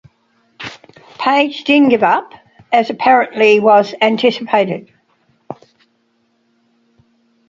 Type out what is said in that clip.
Page didn't give up as apparently was anticipated.